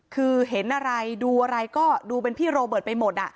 คือเห็นอะไรดูอะไรก็ดูเป็นพี่โรเบิร์ตไปหมด